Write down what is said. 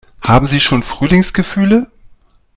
Haben Sie schon Frühlingsgefühle?